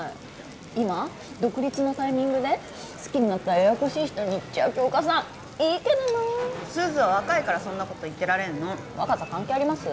今独立のタイミングで好きになったらややこしい人にいっちゃう杏花さんいいけどな鈴は若いからそんなこと言ってられんの若さ関係あります？